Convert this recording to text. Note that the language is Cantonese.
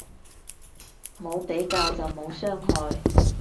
冇比較就冇傷害